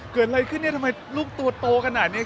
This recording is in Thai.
เกิดอะไรขึ้นเนี่ยทำไมลูกตัวโตขนาดนี้